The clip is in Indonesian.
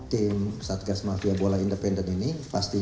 tim satgas mafia bola independen ini